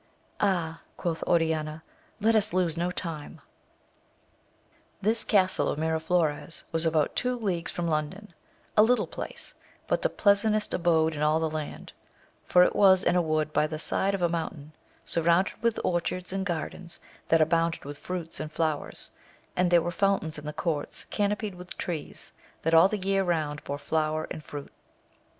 Ah, quoth Oriaia, let us lose no time. This castle of Miraflores was about two leagues from London,~^a little place, but the pleasantest abode in all that land, for it was in a wood by the side of a moun tain, surrounded with orchards and gardens that abounded with fruits and flowers, and there were fountains in the courts canopied with trees, that all the year round bore flower and fruit.